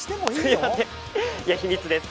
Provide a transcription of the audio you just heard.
秘密です。